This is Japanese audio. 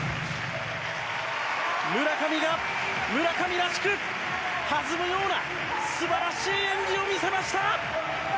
村上が村上らしく弾むような素晴らしい演技を見せました！